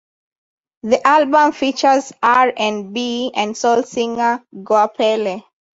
The album features R and B and soul singer Goapele.